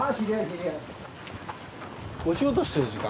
お仕事してる時間？